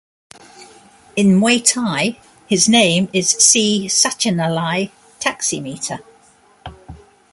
In Muay thai his name is Si Satchanalai Taxi Meter.